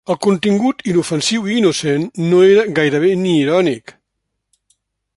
El contingut, inofensiu i innocent, no era gairebé ni irònic.